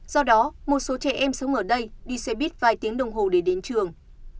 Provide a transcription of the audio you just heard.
do đó một số trẻ em sống ở đây đi xe buýt vài tiếng đồng hồ để đến trường